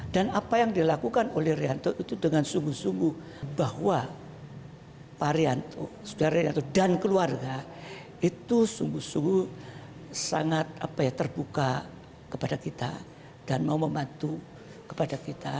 dan apa yang dilakukan oleh rianto itu dengan sungguh sungguh bahwa pak rianto saudara rianto dan keluarga itu sungguh sungguh sangat terbuka kepada kita dan mau membantu kepada kita